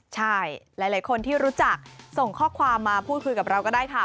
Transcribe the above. ใช่หลายคนที่รู้จักส่งข้อความมาพูดคุยกับเราก็ได้ค่ะ